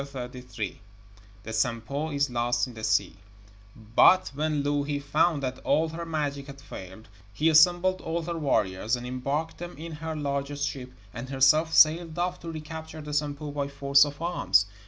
THE SAMPO IS LOST IN THE SEA But when Louhi found that all her magic had failed, she assembled all her warriors, and embarked them in her largest ship, and herself sailed off to recapture the Sampo by force of arms.